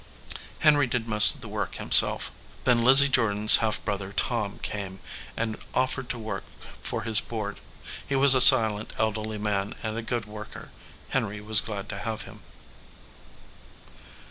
Henry did most of the work himself. Then Lizzie Jordan s half brother Tom came and offered to work for his board. He was a silent, elderly man and a good worker. Henry was glad to have him.